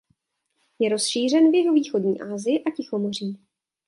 Je rozšířen v jihovýchodní Asii a Tichomoří.